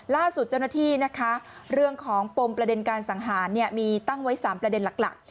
ล่าสุดเจ้าหน้าที่นะคะเรื่องของปมประเด็นการสังหารมีตั้งไว้๓ประเด็นหลัก